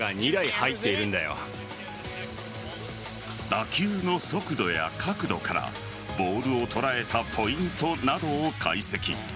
打球の速度や角度からボールを捉えたポイントなどを解析。